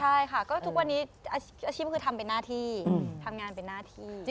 ใช่ค่ะก็ทุกวันนี้อาชีพคือทำเป็นหน้าที่ทำงานเป็นหน้าที่